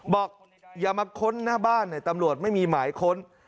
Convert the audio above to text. บอกอย่ามาค้นหน้าบ้านตำรวจไม่มีหมายค้น